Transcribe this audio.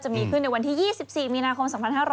จะมีขึ้นในวันที่๒๔มีนาคม๒๕๖๐